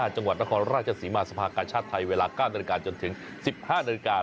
จังหวัดนครราชสีมาสภากาชาติไทยเวลา๙นจนถึง๑๕น